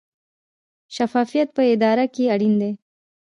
شفافیت په اداره کې اړین دی